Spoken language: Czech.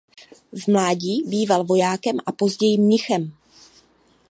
V mládí býval vojákem a později mnichem.